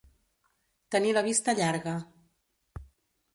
Tenir la vista llarga.